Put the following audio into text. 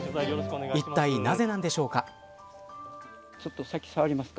いったい、なぜなんでしょうか。